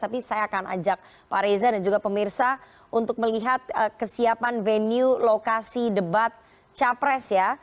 tapi saya akan ajak pak reza dan juga pemirsa untuk melihat kesiapan venue lokasi debat capres ya